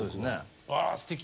あすてき！